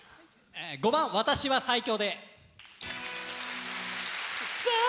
５番「私は最強」。